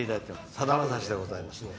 さだまさしでございます。